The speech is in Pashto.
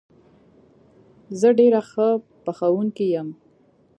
زه ډېره ښه پخوونکې یم